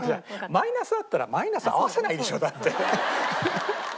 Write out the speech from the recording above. マイナスあったらマイナス合わせないでしょだって。